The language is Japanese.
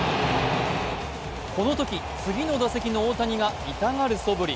このとき、次の打席の大谷が痛がる素振り。